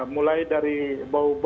mulai dari bau bau